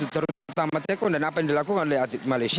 terutama tekon dan apa yang dilakukan oleh atlet malaysia